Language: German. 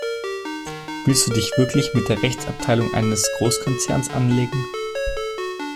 Willst du dich wirklich mit der Rechtsabteilung eines Großkonzerns anlegen?